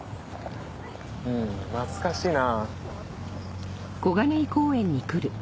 うん懐かしいな。